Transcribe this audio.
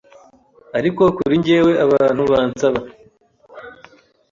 ariko kuri njyewe abantu bansaba